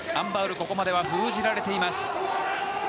ここまで封じられています。